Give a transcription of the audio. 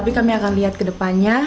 tapi kami akan lihat ke depannya